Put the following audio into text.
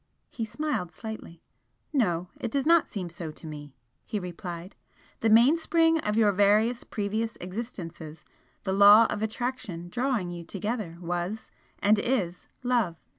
He smiled slightly. "No, it does not seem so to me," he replied "The mainspring of your various previous existences, the law of attraction drawing you together was, and is, Love.